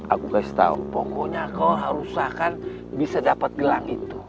aku kasih tau pokoknya kau harusnya kan bisa dapat gelang itu